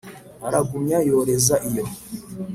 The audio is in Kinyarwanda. Aragumya yoreza iyo!